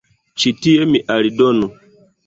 Ĉi tie mi aldonu.